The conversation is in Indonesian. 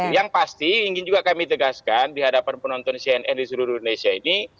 yang pasti ingin juga kami tegaskan di hadapan penonton cnn di seluruh indonesia ini